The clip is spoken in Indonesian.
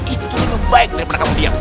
itu lebih baik daripada kamu diam